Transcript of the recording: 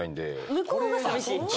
向こうが寂しい？